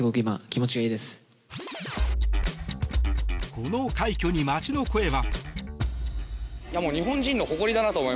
この快挙に街の声は。